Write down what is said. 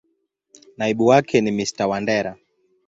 Naibu wake ni Mr.Wandera.